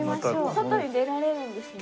外に出られるんですね。